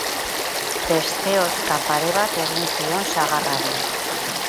Beste hozka pare bat egin zion sagarrari.